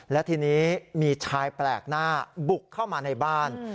และทีนี้มีชายแปลกหน้าบุกเข้ามาในบ้าน